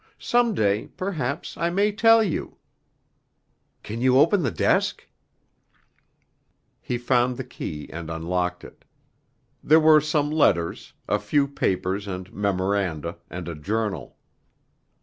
Some day, perhaps, I may tell you. Can you open the desk?" He found the key and unlocked it. There were some letters, a few papers and memoranda, and a journal.